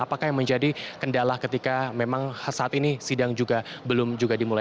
apakah yang menjadi kendala ketika memang saat ini sidang juga belum juga dimulai